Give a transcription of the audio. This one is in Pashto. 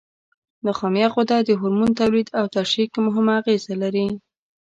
نخامیه غده د هورمون تولید او ترشح کې مهمه اغیزه لري.